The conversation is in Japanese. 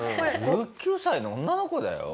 １９歳の女の子だよ？